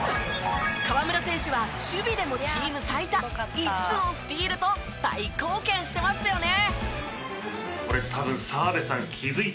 河村選手は守備でもチーム最多５つのスティールと大貢献してましたよね！